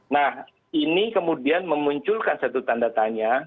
nah ini kemudian memunculkan satu tanda tanya